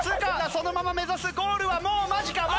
そのまま目指すゴールはもう間近もう間近。